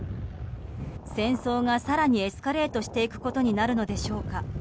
戦争が更にエスカレートしていくことになるのでしょうか。